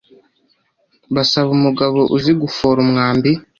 basaba umugabo uzigufora umwambi